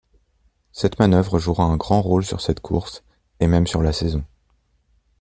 Cette manœuvre jouera un grand rôle sur cette course et même sur la saison.